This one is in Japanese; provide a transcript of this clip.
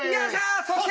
そして。